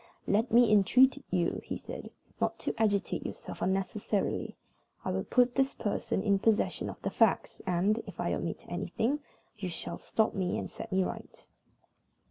"Let me entreat you," he said, "not to agitate yourself unnecessarily. I will put this person in possession of the facts, and, if I omit anything, you shall stop me and set me right."